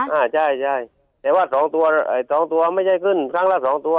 อ่าใช่ใช่แต่ว่าสองตัวไอ้สองตัวไม่ใช่ขึ้นครั้งละสองตัว